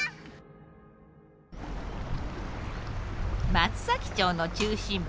松崎町の中心部。